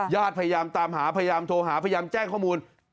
พยายามตามหาพยายามโทรหาพยายามแจ้งข้อมูล